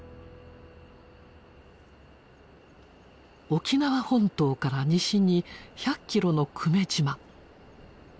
沖縄本島から西に１００キロの久米島。